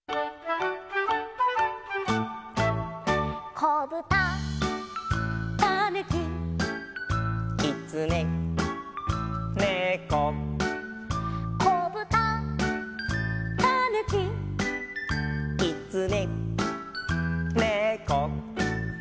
「こぶた」「たぬき」「きつね」「ねこ」「こぶた」「たぬき」「きつね」「ねこ」